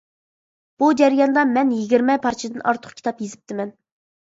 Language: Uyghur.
بۇ جەرياندا، مەن يىگىرمە پارچىدىن ئارتۇق كىتاب يېزىپتىمەن.